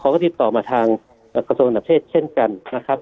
เขาก็ติดต่อมาทางกระทรวงอันดับประเทศเช่นกันนะครับ